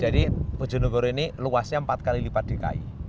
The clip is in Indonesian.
jadi bojonegoro ini luasnya empat kali lipat dikai